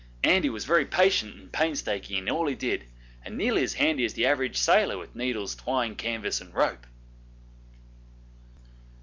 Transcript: Andy was very patient and painstaking in all he did, and nearly as handy as the average sailor with needles, twine, canvas, and rope.